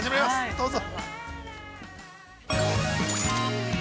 どうぞ。